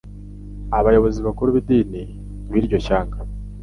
Abayobozi bakuru b’idini b’iryo shyanga